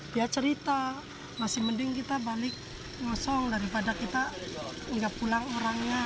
dia cerita masih mending kita balik ngosong daripada kita nggak pulang orangnya